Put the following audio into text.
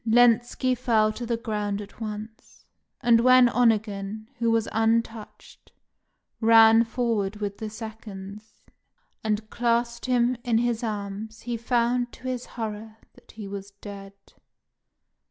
Lenski fell to the ground at once; and when Onegin, who was untouched, ran forward with the seconds, and clasped him in his arms, he found to his horror that he was dead.